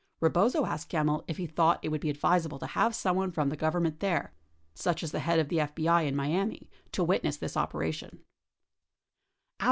Rebozo asked Gem mill if he thought it would be advisable to have someone from the Government there, such as the head of the FBI in Miami, to witness 53 23 Hearings 11001